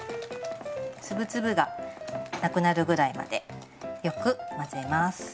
粒々がなくなるぐらいまでよく混ぜます。